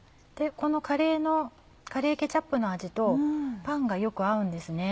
このカレーケチャップの味とパンがよく合うんですね。